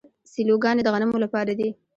سیلوګانې د غنمو لپاره دي.